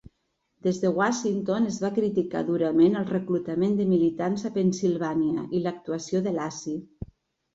Des de Washington es va criticar durament el reclutament de militants a Pennsilvània i l'actuació de Lacey.